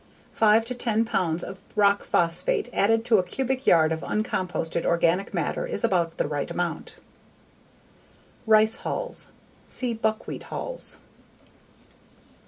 Five to ten pounds of rock phosphate added to a cubic yard of uncomposted organic matter is about the right amount. Rice hulls: See _Buckwheat hulls.